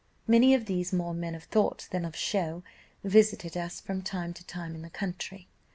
Many of these, more men of thought than of show, visited us from time to time in the country.